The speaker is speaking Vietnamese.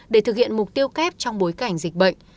để thực hiện mục tiêu kép trong bối cảnh dịch bệnh